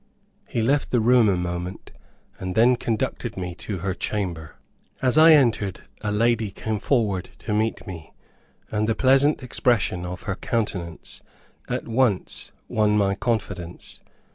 He left the room a moment, and then conducted me to her chamber. As I entered a lady came forward to meet me, and the pleasant expression of her countenance at once won my confidence.